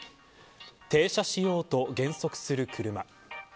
停車しようと減速する車。